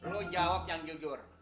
lo jawab yang jujur